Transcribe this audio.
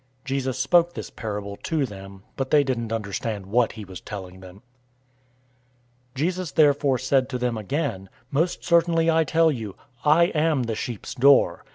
010:006 Jesus spoke this parable to them, but they didn't understand what he was telling them. 010:007 Jesus therefore said to them again, "Most certainly, I tell you, I am the sheep's door.